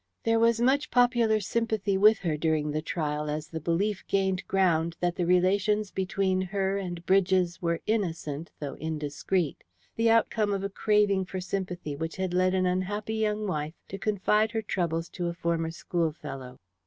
There was much popular sympathy with her during the trial as the belief gained ground that the relations between her and Bridges were innocent, though indiscreet; the outcome of a craving for sympathy which had led an unhappy young wife to confide her troubles to a former schoolfellow.